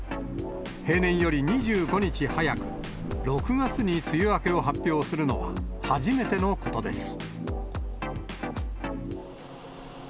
平年より２５日早く、６月に梅雨明けを発表するのは初めてのことです。